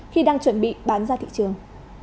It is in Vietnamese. khi đang chuẩn bị bán ra thị trường